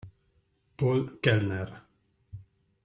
Paul Kellner